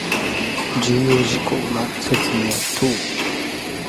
重要事項の説明等